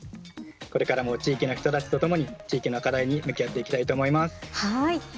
これからも地域の人たちとともに地域の課題に向き合っていきたいと思います。